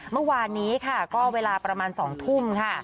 เมื่อวานนี้ค่ะก็เวลาประมาณ๒ทุ่มค่ะ